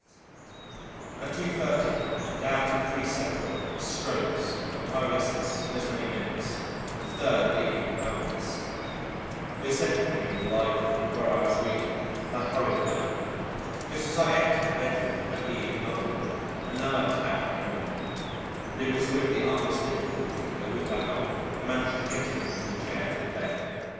At 2.30 Dad had three separate "strokes" of paralysis in as many minutes, the third leaving him helpless. They sent for me in the Library, where I was reading, and I hurried home. Just as I entered the bedroom where he and Mother were another attack came on, and it was with the utmost difficulty that with her help I managed to get him from the chair to the bed.